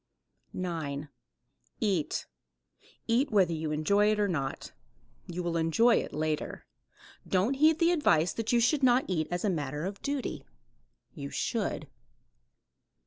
9. EAT. Eat whether you enjoy it or not. You will enjoy it later. Don't heed the advice that you should not eat as a matter of duty. You should.